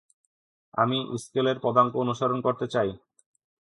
আমি ইক্সেলের পদাঙ্ক অনুসরণ করতে চাই।